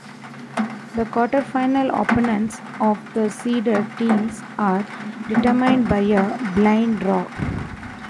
The quarterfinal opponents of the seeded teams are determined by a blind draw.